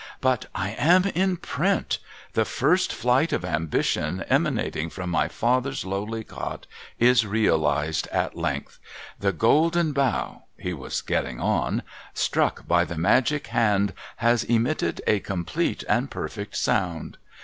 ' But I am in print ! The first flight of ambition emanating from my father's lowly cot is realised at length ! The golden bow,' — he was getting on, —' struck by the magic hand, has emitted a complete and perfect sound